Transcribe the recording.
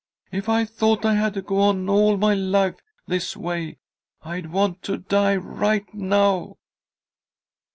If I thought I had to go on all my life this way, I'd want to die right now!"